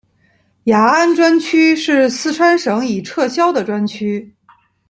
雅安专区是四川省已撤销的专区。